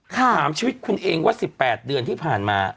ถามชีวิตคุณเองว่า๑๘เดือนที่ผ่านมา